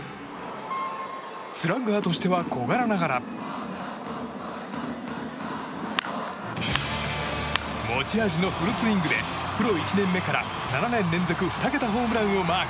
スラッガーとしては小柄ながら持ち味のフルスイングでプロ１年目から７年連続２桁ホームランをマーク。